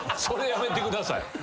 それやめてください。